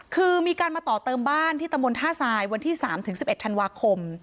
คือมีการมาต่อเติมบ้านที่ตะมุนท่าชายวันที่สามถึงสิบเอ็ดธันวาคม